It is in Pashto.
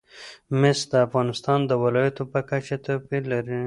مس د افغانستان د ولایاتو په کچه توپیر لري.